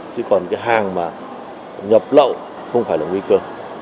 chứ còn cái hàng mà nhập lậu không phải là nguy cơ